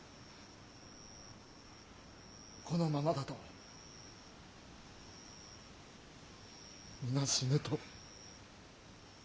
このままだと皆死ぬと。